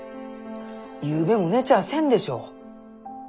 ゆうべも寝ちゃあせんでしょ？